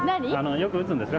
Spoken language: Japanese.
よく打つんですか。